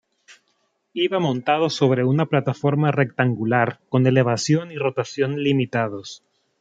Iba montado sobre una plataforma rectangular con elevación y rotación limitados.